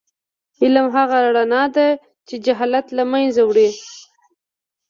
علم هغه رڼا ده چې جهالت له منځه وړي.